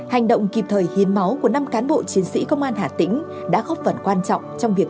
hành động kịp thời hiến máu của năm cán bộ chiến sĩ công an hà tĩnh đã góp phần quan trọng trong việc